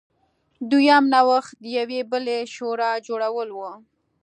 دویم نوښت د یوې بلې شورا جوړول و.